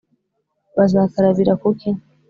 bazakarabira ku ki ?